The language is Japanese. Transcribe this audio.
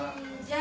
あ。